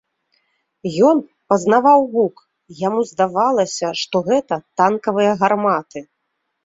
Ён пазнаваў гук, яму здавалася, што гэта танкавыя гарматы.